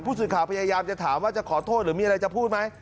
สื่อพยายามจะถามว่าจะขอโทษหรือมีอะไรจะพูดไหม